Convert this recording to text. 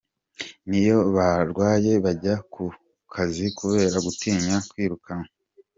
N’iyo barwaye bajya ku kazi kubera gutinya kwirukanwa